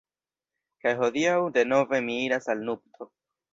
Kaj hodiaŭ, denove, mi iras al nupto.